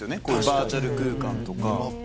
バーチャル空間とか。